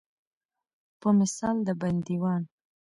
په مثال د بندیوان.